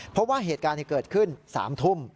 เพราะว่าเหตุการณ์เกิดขึ้น๓ทุ่ม